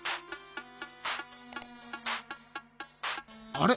あれ？